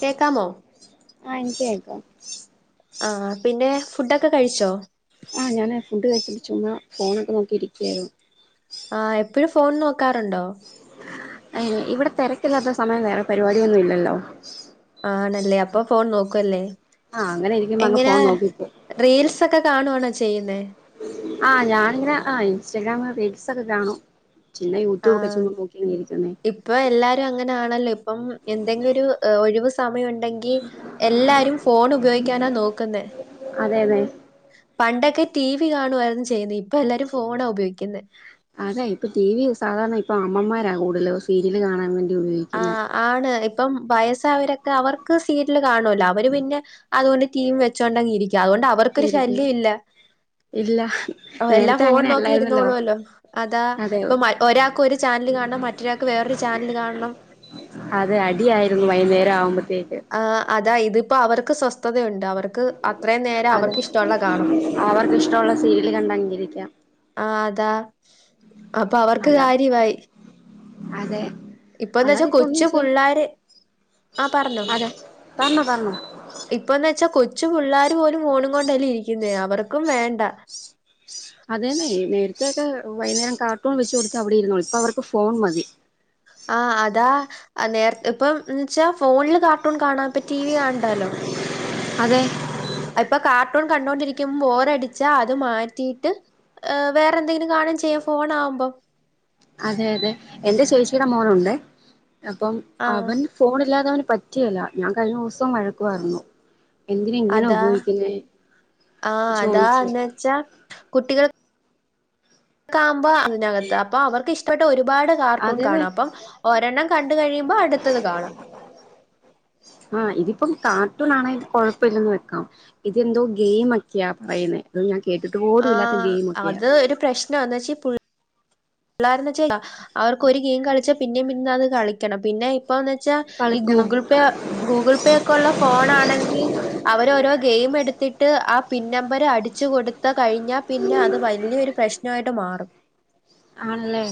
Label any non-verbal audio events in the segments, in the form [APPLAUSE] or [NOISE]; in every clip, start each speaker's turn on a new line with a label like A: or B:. A: കേക്കാമോ
B: ആഹ് എനിക്ക് കേക്കാം
A: ആഹ് പിന്നെ ഫുഡൊക്കെ കഴിച്ചോ
B: ആ ഞാൻ ഫുഡ് കഴിച്ചിട്ട് ചുമ്മാ ഫോണൊക്കെ നോക്കിയിരിക്കാര്ന്നു
A: ആ എപ്പഴും ഫോൺ നോക്കാറ്ണ്ടോ
B: അ ഇവ്ടെ തെരക്കില്ലാത്ത സമയം വേറെ പരിപാടിയൊന്നും ഇല്ലല്ലോ
A: ആണല്ലേ അപ്പ ഫോൺ നോക്കുവല്ലേ
B: ആഹ് അങ്ങനെ ഇരിക്കുമ്പോ അങ്ങ്
A: എങ്ങനാ
B: ഫോൺ നോക്കിപ്പോവും
A: റീൽസ്ഒക്കെ കാണുവാണോ ചെയ്യുന്നേ
B: ആഹ് ഞാനിങ്ങനെ ആ ഇൻസ്റ്റാഗ്രാം റീൽസ് ഒക്കെ കാണും പിന്നെ യൂട്യൂബ് ഒക്കെ
A: ആഹ്
B: ചുമ്മാ നോക്കിങ്ങനെ ഇരിക്കുന്നേ
A: ഇപ്പ എല്ലാരും അങ്ങനാണല്ലോ ഇപ്പം എന്തെങ്കിലും ഒര് ഒഴിവു സമയം ഉണ്ടെങ്കി എല്ലാരും ഫോൺ ഉപയോഗിക്കാനാ നോക്കുന്നെ
B: അതെ അതെ
A: പണ്ടൊക്കെ ടി വി കാണുവാരുന്നു ചെയ്യുന്നെ ഇപ്പ എല്ലാരും ഫോണാ ഉപയോഗിക്കുന്നെ
B: അതെ ഇപ്പ ടി വി സാധാരണ ഇപ്പൊ അമ്മമാരാ കൂടുതല് സീരിയല് കാണാൻ വേണ്ടി
A: ആ
B: ഉപയോഗിക്കുന്നെ
A: ആണ് ഇപ്പം വയസ്സായരൊക്കെ അവർക്ക് സീരിയല് കാണുവല്ലോ അവര് പിന്നെ അതുകൊണ്ട് ടിവിം വെച്ചോണ്ടങ്ങ് ഇരിക്കും അതുകൊണ്ട് അവർക്കൊരു
B: ശരിക്കും
A: ശല്യം ഇല്ല
B: ഇല്ല
A: ഓ എല്ലാം
B: നേരത്തെ
A: ഫോൺ
B: അങ്ങനെ
A: നോക്കി
B: അല്ലായിരുന്നല്ലോ
A: ഇരുന്നോളൂവല്ലോ അതാ
B: അതെ
A: ഇപ്പം മ ഒരാൾക്ക് ഒരു ചാനല് കാണണം മറ്റൊരാക്ക് വേറെ ഒര് ചാനല് കാണണം
B: അതെ അടിയാരുന്നു വൈകുന്നേരം ആകുമ്പ
A: ആ അതാ ഇതിപ്പോ അവർക്ക് സ്വസ് തതഒണ്ട് അവർക്ക് അത്രയും നേരം
B: അതെ
A: അവർക്ക് ഇഷ്ട്ടഒള്ളെ കാണാം
B: അവർക്ക് ഇഷ്ടമുള്ള സീരിയല് കണ്ടങ്ങിരിക്കാം
A: ആ അതാ അപ്പം അവർക്ക്
B: അല്ല
A: കാര്യവായി
B: അതെ
A: ഇപ്പന്ന്ച്ചാ
B: അല്ലാതെ ഇപ്പൊ ഒന്നും
A: കൊച്ചു
B: ചെയ്യ
A: പുള്ളാര് ആഹ് പറഞ്ഞോ
B: അതെ പറഞ്ഞോ പറഞ്ഞോ
A: ഇപ്പന്ന്ച്ചാ കൊ ച്ചു പിള്ളാര് പോലും ഫോണും കൊണ്ടല്ലേ ഇരിക്കുന്നേ അവർക്കും വേണ്ട
B: അതേന്നെ നേരത്തെഒക്കെ വൈകുന്നേരം കാർട്ടൂൺ വെച്ച് കൊടുത്താ അവിടെ ഇരുന്നോളും ഇപ്പ അവർക്ക് ഫോൺ മതി
A: ആഹ് അതാ നേർ ഇപ്പ ന്ന്ച്ചാ ഫോണില് കാർട്ടൂൺ കാണാപ്പ ടി വി കാണണ്ടാലോ
B: അതെ
A: അ പ്പോ കാർട്ടൂൺ കണ്ടോണ്ടിരിക്കുമ്പോ ബോറടിച്ചാ അത് മാറ്റിയിട്ട് വേറെ എന്തെങ്കിലും കാണു ചെയ്യും ഫോൺ ആവുമ്പോം
B: അതെ അതെ എന്റെ ചേച്ചിയുടെ മോനുണ്ട് അപ്പം
A: ആഹ്
B: അവൻ ഫോണ്‌ ഇല്ലാതെ അവന് പറ്റിയല്ല ഞാൻ കഴിഞ്ഞ ദിവസം വഴക്കു പറഞ്ഞു എന്തിന ഇങ്ങനെ
A: അതാ
B: ഉപയോഗിക്കുന്നെ
A: ആഹ്
B: ചോദിച്ചു
A: അതാന്ന് വെച്ചാ ആകുമ്പോ അതിനകത്ത് അപ്പൊ അവർക്ക് ഇഷ്ടപ്പെട്ട ഒരു ഒരുപാട് കാർട്ടൂൺ
B: അതെതെ
A: കാണാം അപ്പം ഒരെണ്ണം കണ്ട കഴിയുമ്പോ അടുത്തത് കാണും
B: ആ ഇതിപ്പൊ കാർട്ടൂണാങ്കിൽ കൊഴപ്പമില്ലന്ന് വെക്കാം ഇതെന്തോ ഗെയിമ് ഒക്കെയാ പറയുന്നത് ഞാൻ കേട്ടിട്ട് പോലും
A: ആ
B: ഇല്ലാത്ത ഗെയിം ഒക്കെയാ
A: അത് ഒരു പ്രശ്ന എന്ന് വച്ചാ പിള്ളാരന്ന് വെച്ച അവർക്ക് ഒരു ഗെയിം കളിച്ചാ പിന്നേ പിന്നേ അത് കളിക്കണം പിന്നെ ഇപ്പന്ന് വെച്ചാൽ ഈ
B: കളിക്കണം
A: ഗൂഗിൾ പേ ഗൂഗിൾ പേ ഒക്കെ ഉള്ള ഫോൺ ആണെങ്കി മ്മ് എടുത്തി ട്ട് ആ പിന്ന നമ്പര് അടിച്ചു കൊടുത്ത കഴിഞ്ഞാ പിന്നെ അത് വലിയൊരു പ്രശ്നമായിട്ട് മാറും
B: ആണല്ലേ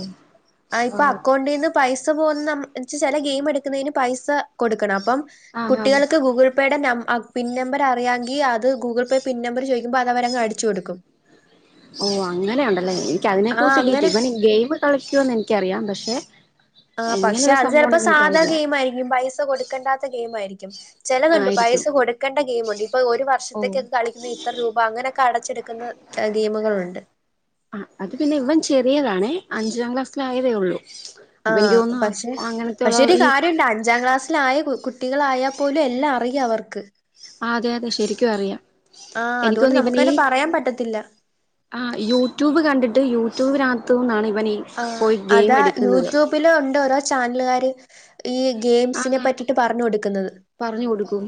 A: ആ
B: ഓ
A: ഇപ്പൊ അക്കൗണ്ടീന്ന് പൈസ ന്ന മ് ചെല ഗെയി എക്കുന്ന പൈസ കൊടുക്കണം അപ്പം
B: ആഹ് ആഹ്
A: കുട്ടികൾക്ക് ഗൂഗിൾ പേ ആ പിൻ നമ്പർ അറിയാങ്കി അത് ഗൂഗിൾ പേ പിൻ നമ്പർ ചോദിക്കുമ്പോ അതഅവരങ്ങ് അടിച്ചു കൊടുക്കും
B: ഓ അങ്ങനെയുണ്ടല്ലേ എനിക്ക് അതിനെ
A: ആ
B: കുറിച്ച് ഡീറ്റ
A: അങ്ങനെ
B: ഇവന് ഗെയിം കളിക്കുവെന്ന് എനിക്കറിയാം പക്ഷെ
A: ആ
B: എങ്ങനെ
A: പക്ഷെ
B: ഒരു
A: അത്
B: സംഭവം
A: ചെലപ്പോ
B: ഉണ്ടെന്ന്
A: സാധാ
B: എനിക്കറിയില്ല
A: ഗെയിം ആയിരിക്കും പൈസ് സ കൊടുക്കേണ്ടാത്ത ഗെയിം ആയിരിക്കും ചിലതുണ്ട് പൈസ
B: ആയിരിക്കും
A: കൊടുക്കേണ്ട ഗെയിം ഉണ്ട് ഇപ്പൊ ഒരു
B: ഓ
A: വർഷത്തേക്കൊക്കെ കളിക്കുന്ന ഇത്ര രൂപ
B: ആ അത് പിന്നെ ഇവൻ ചെറിയതാണേ
A: ആ
B: അപ്പൊ എനിക്ക്
A: പ്പൊ
B: തോന്നുന്നു അങ്ങനത്തെയുള്ള ഈ
A: കുട്ടികളായാൽ പോലും എല്ലാം അറിയാം അവർക്ക്
B: ആ അതെ അതെ ശരിക്കും അറിയാം
A: ആഹ് അതുകൊണ്ട്
B: എനിക്കൊന്ന് ഇവനീ
A: നമുക്കങ്ങനെ പറയാൻ പറ്റത്തില്ല
B: ആ യൂട്യൂബ് കണ്ടിട്ട് യൂട്യൂബിന
A: ആ അതാ യൂട്യൂബില് ഉണ്ട് ഓരോ ചാനലുകാര് ഈ ഗെയിംസിനെ
B: ആഹ്
A: പറ്റിട്ട് പറഞ്ഞ് കൊടുക്കുന്നത്
B: പറഞ്ഞു കൊടുക്കും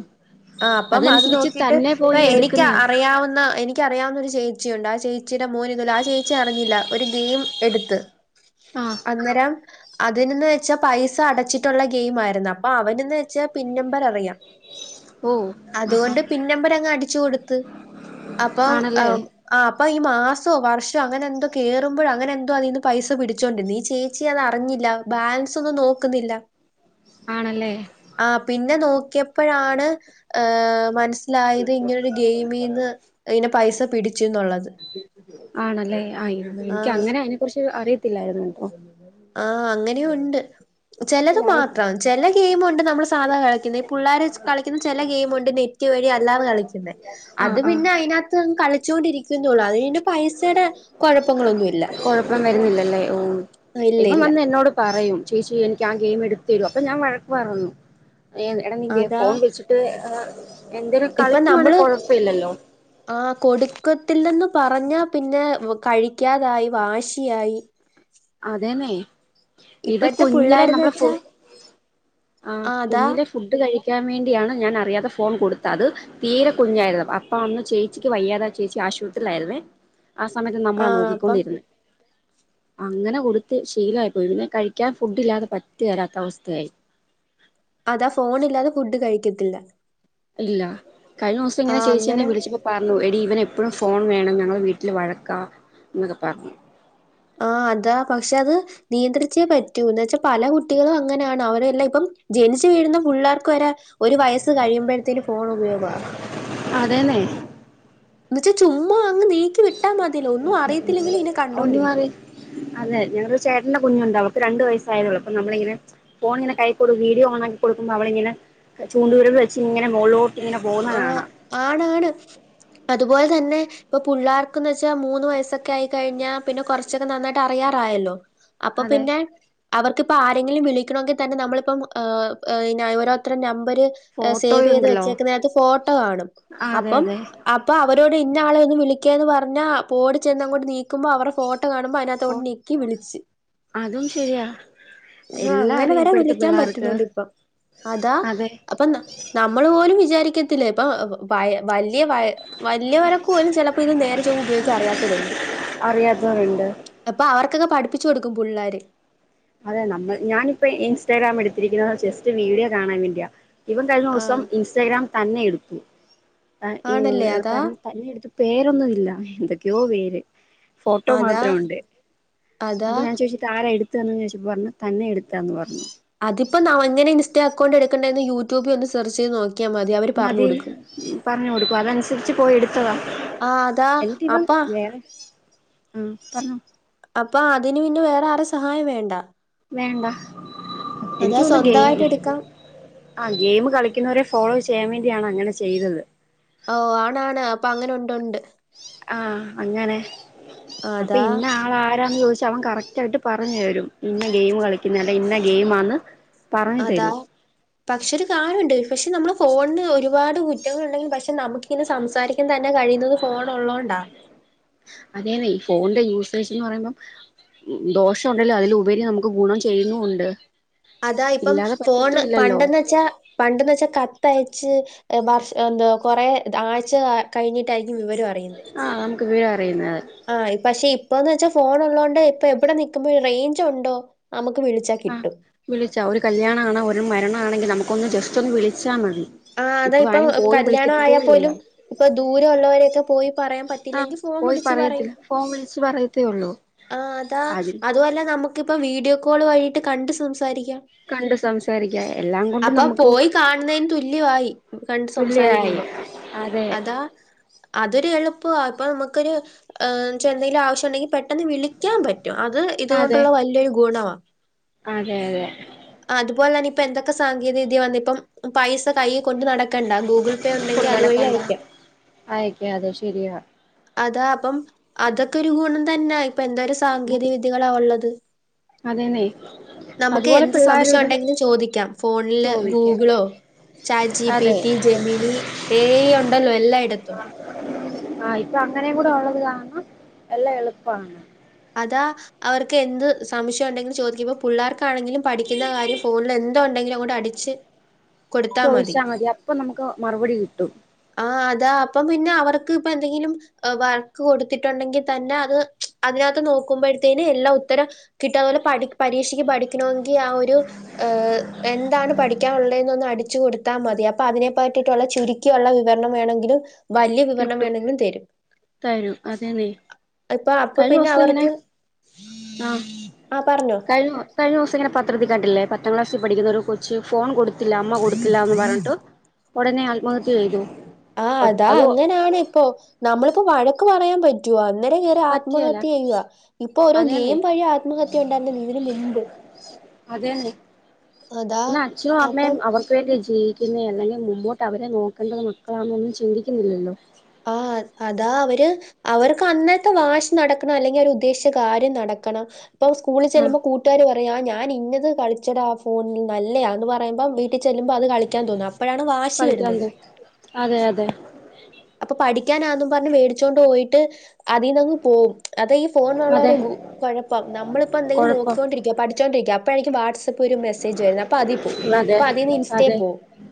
A: ആ അപ്പം അത്
B: അതനുസരിച്ച്
A: നോക്കിട്ട്
B: തന്നെ
A: ഇപ്പ
B: പോയി
A: എനിക്ക്
B: എടുക്കുന്ന
A: അറിയാവുന്ന എനി ച്ചിയുണ്ട് ആ ചേച്ചിയുടെ മോന് ഇതുപോലെ ആ ചേച്ചി അറിഞ്ഞില്ല ഒരു ഗെയിം എടുത്ത്
B: ആഹ്
A: അന്നേരം അതിനന്ന് വെച്ചാ പൈസ അടച്ചിട്ടുള്ള ഗെയിം ആയിരുന്നു അപ്പൊ അവനന്ന് വെച്ചാ പിൻ നമ്പർ അറിയാം
B: ഓ
A: അതുകൊണ്ട്
B: ആഹാ
A: പിൻ നമ്പർ അങ്ങ്അടിച്ചു കൊടുത്ത്
B: ആണല്ലേ
A: ഇപ്പൊ ഈ മാസോ വർഷോ അങ്ങനെ എന്തോ കേയറുമ്പോൾ അങ്ങനെ എന്തോ അതിൽന്ന് പൈസ പിടിച്ചോണ്ട്നീ ചേച്ചി അത് അറിഞ്ഞില്ല
B: ആണല്ലേ
A: ആ പിന്നെ ലായത് ഇങ്ങനെ ഒരു ഗെയിമീന്ന് അയിന്റെ പൈസ പിടിച്ചു എന്നുള്ളത്
B: ആണല്ലേ ആയി എനിക്ക്
A: ആഹ്
B: അങ്ങനെ അതിനെ കുറിച്ച് അറിയത്തില്ലായിരുന്നു കേട്ടോ
A: ആഹ അങ്ങനെ ഉണ്ട് ചെലത്
B: ഇല്ല അറിയത്തില്ല
A: മാത്രം ചില ഗെയിമുണ്ട് നമ്മള് സാധാ കളിക്കുന്ന നെറ്റ് വഴി അല്ല കളിചുന്നെ അത്
B: ആഹ് ആഹ്
A: ചോണ്ടിരിക്കുന്നൊള്ളു അതിന്റെ പൈസയുടെ കുഴപ്പങ്ങളൊന്നുല്ല
B: ഇപ്പം വന്ന് ഏ എടാ നി ഗെ
A: അതാ
B: ഫോൺ വച്ചിട്ട്
A: ഇപ്പൊ നമ്മള് ആ കൊടുക്കത്തിൽ നിന്നും പറഞ്ഞാ പിന്നെ കഴിക്കാതായി വാശിയായി
B: അതേന്നെ ഇത്
A: ഇപ്പഴത്തെ
B: കുഞ്ഞിലെ
A: പുള്ളാര്ന്ന്
B: നമ്മുള് ഫു
A: വെച്ചാ
B: ആ
A: ആഹ് അതാ
B: കുഞ്ഞിലെ ഫുഡ് കഴി ാൻ വേണ്ടിയാണ് ഞാൻ അറിയാതെ ഫോൺ കൊടുത്തത് അത് തീരെ കുഞ്ഞായിരുന്നു അപ്പോൾ അന്ന് ചേച്ചിക്ക്യ്യാതെ ചേച്ചി അ ആശുപത്രിൽായിുന്നേ ആ സമയത്ത് നമ്മളാ
A: ആഹ് അപ്പം
B: നോക്കിക്കൊണ്ടിരന്ന് അങ്ങനെ കൊടുത്ത് ശീലമായി പോയി പിന്നെ കഴിക്കാൻ ഫുഡ് ഇല്ലാതെ പറ്റ വരാത്ത അവസ്ഥയായി
A: അതാ ഫോണ ഇില്ലാതെ ഫുഡ് കഴിക്കത്തില്ല
B: ഇല്ല കഴിഞ്ഞ ദിവസം ഇങ്ങനെ
A: ആഹ്
B: ചേച്ചിെന്നെ
A: അങ്ങനെ
B: വിളിച്ചപ്പോ പറഞ്ഞു എടി ഇവന എപ്പോഴും ഫോൺ വേണം ഞങ്ങൾ വീട്ടിൽ വഴക്കാ എന്നൊക്കെ പറഞ്ഞു
A: ആ അതാ പക്ഷെ അത് നിയന്ത്രിച്ചേ പറ്റൂ എന്നന്ന് വെച്ചാ പല കുട്ടികളും അങ്ങനെയാണ് അവരെല്ലാം ഇപ്പം ജനിച്ചു വീഴുന്ന പിള്ളേർക്ക് വരെ ഒരു വയസ്സ് കഴിയുമ്പോഴത്തേന് ഫോൺ ഉപയോഗവാ
B: അതന്നെ
A: എന്നച്ചാ ചുമ്മാ അങ്ങ് നീക്കി വിട്ടാ മതിയല്ലോ ഒന്നും അറിയത്തില്ലെങ്കിലും ഇങ്ങനെ
B: ഒന്നു
A: കണ്ടോണ്ടിരിക്കും
B: മാറി അതെ ഞങ്ങള ചേട്ടന്റെ കുഞ്ഞുണ്ട് അവക്ക് രണ്ട് വയസായതെ ഒള്ളൂ അപ്പ നമ്മളിങ്ങനെ ഫോണിങ്ങെ കൈ വീഡിയോഓണാക്കി കൊടുക്കുമ്പോ അവളങ്ങനെ ചൂണ്ടൂരിൽ വെച്ച് ഇങ്ങന മോൾലോട്ട്
A: ആ ആണ ആാണ് അതുപോലെ തന്നെ ഇപ്പൊ പിള്ളേർക്ക്ന്ന് വെച്ചാൽ മൂന്ന് വയസ്സൊക്കെ ആയി കഴിഞ്ഞാൽ പിന്നെ കുറച്ചൊക്കെ നന്നായിട്ട് അറിയാറായല്ലോ അപ്പൊ
B: അതെ
A: പിന്നെ അവർക്കിപ്പ ആരെങ്കിലും വിളിക്കണമെങ്കിൽ തന്നെ നമ്മളിപ്പം ഓരോരുത്തരെ നമ്പ അവര് സേവ് ചെയ്ത്
B: ഫോട്ടോയുണ്ടല്ലോ
A: വെച്ചേക്കണ ഫോട്ടോ കാണും
B: ആ അതെ
A: അപ്പം
B: അതെ
A: അപ്പൊ അവ അവരോട് ഇന്ന ആളെ ഒന്ന് വിളിക്കുക എന്ന് പറഞ്ഞാ പോടി ചെന്ന്ങ്ങോ് നീക്കുമ്പോൾ അവരുടെ ഫോട്ടോ ട്ട കാണുമ്പോ
B: ഫോ
A: അതിനകതോട്ട് നീക്കി വിളിച്ച്
B: പ [UNINTELLIGIBLE]
A: ആ അങ്ങനെ വരെ വിളിക്കാൻ പറ്റുന്നുണ്ട് ഇപ്പം. അതാ
B: അതെ
A: അപ്പൊ നമ്മൾ പോലും വിചാരിക്കത്തില്ല ഇപ്പൊ വയ വലിയ വയ വലിയ വരെക്ക പോലും ചിലപ്പോ ഇത് നേരെ ചൊവ്വേ ഉപയോഗിക്കൻ അറിയാത്തവരുണ്ട്
B: അറിയാത്തവരുണ്ട്
A: അപ്പൊ അവർക്ക് ൊക്കെ പഠിിച്ചു കൊടുക്കും പിള്ളാര്
B: അതെ നമ്മൾ ഞാനിപ്പ ഇൻസ്റ്റാഗ്രാം എടുത്തിരിക്കുന്ന ജസ്റ്റ് വീഡിയോ കാണാൻ വേണ്ടിയാ. ഇവൻ കഴിഞ്ഞ ദിവസം
A: ആഹ്
B: ഇൻസ്റ്റഗ്രാം തന്നെ എടുത്തു. ആ
A: ആണല്ലേ അതാ
B: തന്നെ എടുത്ത് പേരൊന്നും ഇല്ല എന്തൊക്കെയോ പേര് ഫോട്ടോ
A: അതാ
B: മാത്രം ഉണ്ട്
A: അതാ
B: അപ്പൊ ഞാൻ ചോദിച്ചിട്ട് ആരാ എടു എടു ചദച്ചി പറഞ്ഞാൽ തന്നെ എടുത്താന്ന് പറഞ്ഞു [UNINTELLIGIBLE]
A: അതിപ്പോ നാംങ്ങനെ ഇൻസ്റ്റ അക്കൗണ്ട് എടുക്കണ്ണ്ടെന്ന് യൂട്യൂബിൽ ഒന്ന് സെർച്ച് ചെയ്ത് നോക്കി
B: മതി പറഞ്ഞു കൊടുക്കും അതനുസരിച്ച് പോയി എടുത്തതാ
A: ആഹ് അതാ
B: എനിട്ടിവൻ
A: അപ്പ
B: വേറെ ആഹ പറഞ്ഞോ
A: അപ്പൊ അതിന് പിന്നെ വേറെ ആരു സഹായം വേണ്ട
B: വേണ്ട
A: അതാ
B: എനിക്ക് തോന്നുന്നു ഗെയിം
A: സ്വന്തമായിട്ട് എടുക്കാം
B: ആ ഗെയിം കളിക്കുന്നവരെ ഫോളോ ചെയ്യാൻ വേണ്ടിയാണ് അങ്ങനെ ചെയ്തത്
A: ഓ ആണാണ് അപ്പൊ അങ്ങനെ ഉണ്ട് ഉണ്ട്
B: ആഹ അങ്ങനെ അപ്പൊ
A: അതാ
B: ഇന്ന ആള ആാര ചോിച്ച പ അവൻ കറക്റ്റ് ആയിട്ട് പറഞ്ഞ തരും ഇന്ന ഗെയിം കളിക്കുന്ന അല്ല ഇന്ന ഗെയിം ആന്ന് പറഞ്ഞു തരൂ
A: അതാ പക്ഷെ ഒരു കാര്യമുണ്ട് പക്ഷെ നമ്മള് ഫോണിന് ഒരുപാട് കുറ്റങ്ങൾ ഉണ്ടെങ്കിലും പക്ഷെ നമുക്ക്ിങ്ങനെ സംസാരിക്കാൻ തന്നെ- കഴിയുന്നത് ഫോൺ ഉള്ളോണ്ടാ.
B: അതന്നെ ഈ ഫോണിന്റെ യൂസേജ് എന്ന് പറയുമ്പം ദോഷം ഉണ്ടല്ലോ അതിലുപരി നമുക്ക് ഗുണം ചെയ്യുന്നുണ്ട്
A: അതാ ഇപ്പം
B: ഇല്ലാതെ
A: ഫോണ്
B: പറ്റത്തുല്ലല്ലോ
A: പണ്ടെന്ന് വെച്ചാ പണ്ടെന്ന് വെച്ചാ ക ത്തയച്ച് വർഷ എന്താ കൊറെ ആഴ്ച കഴിഞ്ഞിട്ടായിരിക്കും വിവരം അറിയുന്നത്.
B: ആഹ് നമുക്ക് വിവരം അറിയുന്നത്
A: ആ പക്ഷെ ഇപ്പന്ന് വെച്ചാ ഫോൺ ഉള്ളോണ്ട് ഇപ്പ എവിടെ നക്കുമ്പോഴ റേഞ്ച് ഉണ്ടോ നമുക്ക് വിളിച്ചാ
B: ആഹ്
A: കിട്ടും
B: വിളിച്ചാ ഒരു കല്യാ ആണോ ഒരു മരണമാണെങ്കിൽ നമുക്ക ഒന്ന് ജസ്റ്റ് ഒന്ന് വിളിച്ചാൽ മതി ഉ [INAUDIBLE]
A: അത ഇപ്പ കല്യാണം ആയാ പോലും. ഇപ്പ ദൂരെ ഉള്ളവരൊക്കെ പോയി പറയാൻ പറ്റിയിലെങ്കിൽ ഫോൺ വിളിച്ച് പറയും
B: റിയത്തില്ല ഫോൺ വിളിച്ചച്ച് പറയത്തേള്ളൂ.
A: ആ അതാ അതുമല്ല നമുക്കിപ്പ വീഡിയോ കോൾ വഴിട്ട് കണ്ട് സംസ് പതിയ
B: കണ്ട് സംസാരിക്കാം എല്ലാം കൊണ്ടും
A: അപ്പ
B: നമുക്ക്
A: പോയി കാണന് തുല്യ വല്യാവായി കണ്ട്
B: തുല്യായി
A: സംസാരിക്കുമ്പോ
B: അതെ
A: അതാ അതൊരു എളുപ്പ ഇപ്പൊ നമുക്കൊരു എ ചെന്തെങ്കിലും ആവശ്യം ണ്ടെങ്കിൽ പെട്ടെന്ന് വിളിക്കാൻ പറ്റും. അത്
B: അതെ
A: ഇതുകൊണ്ടുള്ള വലിയരു ഗുണമാ
B: അതെ അതെ
A: അതുപോലെ തന്നെ ഇപ്പൊ എന്തൊക്കെ സാങ്കേതിക വിദ്യ വന്നിപ്പം പൈ പൈസ കൈ കൊണ്ട് നടക്കണ്ട ഗൂഗിൾ പേ ഉണ്ടെങ്കിൽ അതുവഴി അയക്കാം.
B: ആയിക്കെ അതെ ശെരിയാ.
A: അതാ അപ്പം അതൊക്കെ ഒരു ഗുണം തന്നെയ ഇപ്പൊ എന്തോ സാങ്കേതിക വിദ്യകളാ ഉള്ളത്.
B: അതെനെ
A: നമുക്ക് എന്ത് സംശയം ഉണ്ടെങ്കിലും ചോദിക്കാം ഫോണില്
B: ചോദിക്ക
A: ഗൂഗിളോ
B: അതെ
A: ചാജിപീറ്റി, ജമീനി, എ ഇ ഉണ്ടല്ലോ എല്ലായിടത്തും.
B: ആ ഇപ്പൊ അങ്ങനെയുകൂടെ ഉള്ളത് കാാരണം എല്ലാം എളുപ്പമാണ്.
A: അതാ അവർക്ക് എന്ത് സംശയം ഉണ്ടെങ്കിലും ചോദിക്കുമ്പോ പിള്ളേർക്കാണെങ്കിലും പഠിക്കുന്ന കാര്യം ഫോണിൽ എന്തോ ഉണ്ടെ എല്ലാം കൂടെ അടിച്ച്
B: ചോദിച്ചാൽ മതി അപ്പൊ നമുക്ക് മറുപടി കിട്ടും.
A: ആ അതാ അപ്പം പിന്നെ അവർക്ക് ഇപ്പ എന്തെങ്കിലും വഴക്ക് കൊടുത്തിട്ടുണ്ടെങ്കിൽ തന്നെ അത് അതിനകത്ത് നോക്കുമ്പോഴത്തേന് എല്ലാ ഉത്തരം കിട്ടും. അതുപോലെ പഠി പരീക്ഷക്ക് പഠിക്കണമെങ്കിൽ ആ ഒരു എന്താണ് പഠിക്കാനുള്ളത് എന്നൊന്ന് അടിച്ചു കൊടുത്താൽ മതി അപ്പൊ അതിനെ പറ്റിട്ടുള്ള ചുരുിക്കി രിക്കുള്ള വിവരണം വേണമെങ്കിലും വലിയ വിവരണം
B: കിട്ടും
A: വേണമെങ്കിലും തരും.
B: തരും അതന്നെയ
A: ഇപ്പൊ അപ്പൊ
B: കഴിഞ്ഞ
A: പിന്നെ
B: ദിവസം എങ്ങനെ
A: അവർക്ക്
B: ആ
A: ആ പറഞ്ഞോ
B: കഴി കഴിഞ്ഞ ദിവസം എങ്ങനെ പത്രത്തിക്കാട്ടില്ലേ പത്താം ക്ലാസ്സിൽ പഠിക്കുന്ന ഒരു കൊച്ച് ഫോൺ കൊടുത്തില്ല അമ്മ കൊടുത്തില്ലന്ന് പറഞ്ഞിട്ട് ഉടനെ ആത്മഹത്യ ചെയ്തു.
A: ആ അതാ
B: അത്
A: അങ്ങനെയാണ് ഇപ്പോൊ നമ്മളിപ്പോ വഴക്ക് പറയാൻ റ്റൂവ അന്നേം കേറി
B: പറ്റിയല്ല
A: ആത്മഹത്യ ചെയ്യുവ. ഇപ്പൊ ഓരോ
B: അതേന്നെ
A: ഗെയിം വഴി ആത്മഹത്യ ഉണ്ടായിരുന്നോ ഇതിന് മുമ്പ്.
B: അതെന്നെ
A: അതാ
B: എന്ന
A: അപ്പം
B: അച്ഛനുഅമ്മയും അവർക്ക് വേണ്ടി ജീ പിന്നെ! അല്ലെങ്കിൽ? മുമ്പോട്ട് അവരെ നോക്കേണ്ടത് മക്കളാണൊന്നും ചിന്തിക്കുന്നില്ലല്ലോ.
A: ആ അതാ അവര് അവർക്ക് അന്നത്തെ വാശി നടക്കണം അല്ലെങ്കിൽ അവര് ഉദ്ദേശിച്ച കാര്യം നടക്ക കനോ തോ സ്‌കൂളിൽ
B: ആ
A: ചെല്ലുമ്പോ കുട്ടുകാര് വെറ പെയ ഞാൻ ഇന്നത് കളിച്ചെട ആ ഫോണില് നല്ല യതാ എന്ന് പറയുമ്പം വീട്ടിൽ ചെല്ലുമ്പോൾ അത് കളിക്കാൻ തോന്നുന്ന അ അപ്പോഴാണ് വാശി
B: കളിക്കാൻ
A: വരുന്നത്.
B: പോ അതെ അതെ
A: പഠിക്കാനാന്നെന്നും പറഞ്ഞ് മേടിച്ചൊണ്ട് പോയിട്ട് അതിൽന്ന്ങ്ങ് പോകും. അതെ ഈ ഫോണിന് ള്ള
B: അതെ
A: ഒരു ഗു കൊഴപ്പം നമ്മളിപ്പോ എന്തെങ്കിലും
B: കൊഴപ്പം
A: നോക്കിക്കൊണ്ടിരിക്കയ പഠിച്ചോണ്ടിരിക്ക അപ്പോയിരിക്കും വാട്ട്സ് ത് പ്പൊ ഒരു മെസേജ് വരുന്നു. അപ്പോ അതി പോ
B: അതെ
A: അ അതിൽ ഇൻസ്റ്റയി
B: അതെ
A: പോ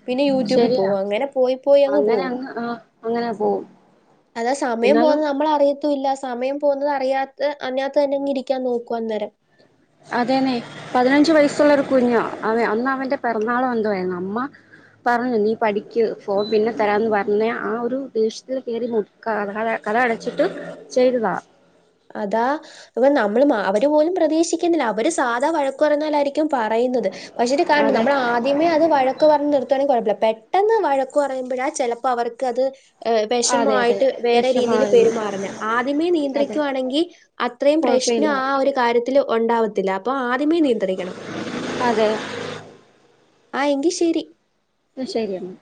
A: പിന്നെ യൂട്യൂബിൽ
B: ശരിയാ
A: പോകും അങ്ങനെ പോയി പോ
B: അങ്ങനെ അങ്ങ് ആ അങ്ങനെ പോകും.
A: അതാ സമയം പോകുന്നത് നമ്മൾ അറിയത്തൂല്ല സ് സമയം പോകുന്നത് അറിയാത്ത അനാത്ത തന്നെങ്ങി ഇരിക്കാൻ നോക്കു അന്നേരം.
B: അതെന്നെ പതിനഞ്ചു വയസ്സുള്ള ഒരു കുഞ്ഞാ! അവൻ അന്ന് അവന്റെ പിറന്നാള എന്തോയിരുന്നു അമ്മ പറഞ്ഞു നീ പഠിക്ക് ഫോൺ പിന്നെ തരാന്ന് പറഞ്ഞ ആ ഒരു ദേഷ്യത്തിൽ കേറി മുടക്ക അതാത് കതക് അടച്ചിട്ടും ചെയ്തതാ.
A: അതാ ഇവൻ നമ്മള്ളു മ അവര് പോലും പ്രതീക്ഷിക്കുന്നില്ല അവര് സാധാ വഴക്കു പറഞ്ഞാ പോലായിരിക്കും. ക്കും പറയുന്നത് പക്ഷെ ഇത് കാണണ്ട്
B: അതെ
A: നമ്മൾ ആദ്യമേ അത് വഴക്ക് പറഞ്ഞു നിർത്തുവാണങ്കിൽ കുഴപ്പമില്ല പെട്ടന്ന പെട്ടെന്ന് വഴക്കു പറയുമ്പോഴാ ചിലപ്പോ അവർക്ക് അത് ഏ
B: അതെ അതെ
A: വെഷമയിട്ട് വേറെ രീതിയിൽ
B: വിഷമായിരുന്നു
A: പെരുമാറല്ല ആദ്യമേ നിയന്ത്രിക്ക
B: അതെ
A: ക്കുയാണെങ്കിൽ അത്രയും പ്രശ്നം
B: കുഴപ്പമില്ല
A: ആ ഒരു കാര്യത്തിൽ ഉണ്ടാവത്തില്ല അപ്പൊ ആദ്യമേ നിയന്ത്രിക്കണം.
B: അതെ.
A: ആ എങ്കി ശേരി
B: ആ ശെരിയെന്ന